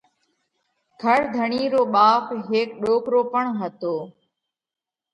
گھر ڌڻِي رو ٻاپ هيڪ ڏوڪرو پڻ هتو۔